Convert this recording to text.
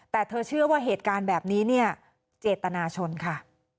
แต่เธอเชื่อว่าเหตุการณ์แบบนี้เนี่ยเจตนาชนค่ะ